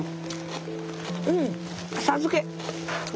うん浅漬け。